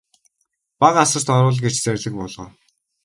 Бага асарт оруул гэж зарлиг буулгав.